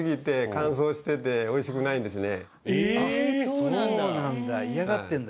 そうなんだ。